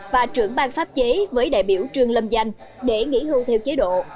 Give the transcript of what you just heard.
và trưởng bang pháp chế với đại biểu trương lâm danh để nghỉ hưu theo chế độ